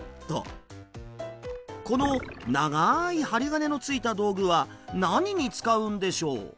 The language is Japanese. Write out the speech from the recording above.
この長い針金のついた道具は何に使うんでしょう？